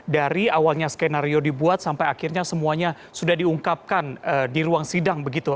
dari awalnya skenario dibuat sampai akhirnya semuanya sudah diungkapkan di ruang sidang begitu